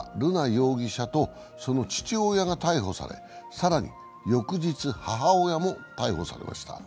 容疑者とその父親が逮捕され更に翌日、母親も逮捕されました。